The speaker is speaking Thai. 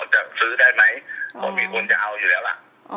จะซื้อได้ไหมอ๋อมีคนจะเอาอยู่แล้วล่ะอ๋อ